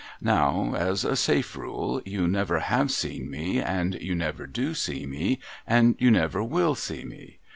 Now, as a safe rule, you never have seen me, and you never do see me, and you never will see me.